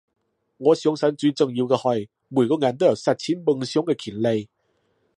我相信最重要嘅係每個人都有實踐夢想嘅權利